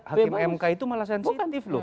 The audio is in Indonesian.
hakim mk itu malah sensitif loh